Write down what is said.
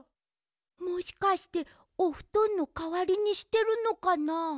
もしかしておふとんのかわりにしてるのかな？